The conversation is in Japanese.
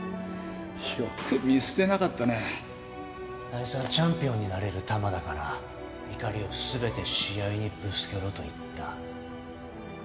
あいつはチャンピオンになれる玉だから怒りを全て試合にぶつけろと言った。